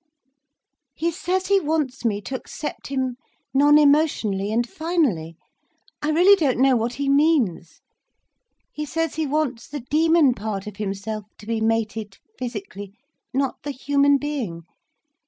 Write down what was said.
"He says he wants me to accept him non emotionally, and finally—I really don't know what he means. He says he wants the demon part of himself to be mated—physically—not the human being.